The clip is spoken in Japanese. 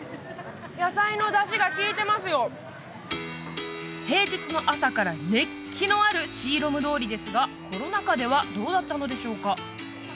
野菜の出汁がきいてますよ平日の朝から熱気のあるシーロム通りですがコロナ禍ではどうだったのでしょうか？